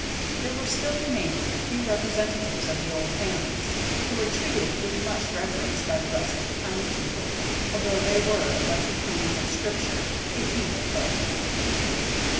There were still remaining a few representatives of the old families, who were treated with much reverence by the rest of the townspeople, although they were, like the conies of Scripture, a feeble folk.